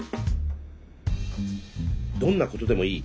どんなことでもいい。